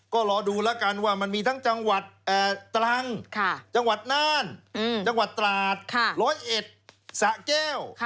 ก็รอดูแล้วกันว่ามันมีทั้งจังหวัดตรังจังหวัดน่านจังหวัดตราด๑๐๑สะแก้ว